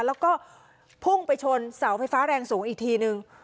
แล้วก็พุ่งไปชนเสาไฟฟ้าแรงสูงอีกทีนึง